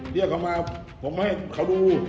เรียกเขามาผมก็ให้เขาดู